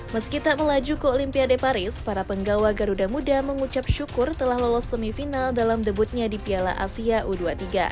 meski tak melaju ke olimpiade paris para penggawa garuda muda mengucap syukur telah lolos semifinal dalam debutnya di piala asia u dua puluh tiga